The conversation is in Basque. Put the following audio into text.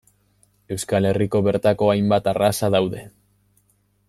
Euskal Herriko bertako hainbat arraza daude.